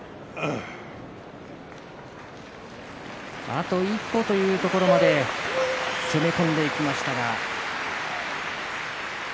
あと一歩というところまで攻め込んでいきましたが。